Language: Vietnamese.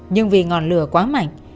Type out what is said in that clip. nhưng vì ngọn lửa quá mạnh